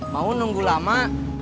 mau nunggu lama